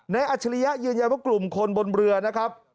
อัจฉริยะยืนยันว่ากลุ่มคนบนเรือนะครับ